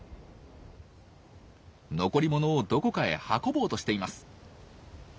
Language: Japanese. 残り物をどこかへ運ぼうとしています。